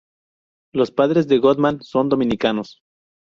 Los padres de Goodman son dominicanos.